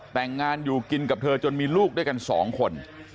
แต่งงานอยู่กินกับเธอจนมีลูกด้วยกัน๒คน